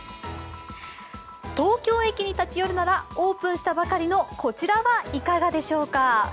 東京駅に立ち寄るならオープンしたばかりのこちらはいかがでしょうか。